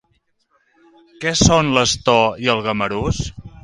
Què són l'astor i el gamarús?